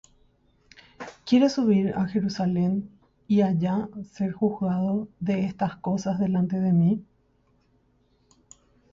¿Quieres subir á Jerusalem, y allá ser juzgado de estas cosas delante de mí?